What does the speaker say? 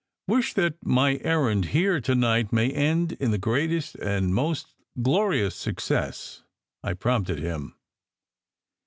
"Wish that my errand here to night may end in the greatest and most glorious success," I prompted him.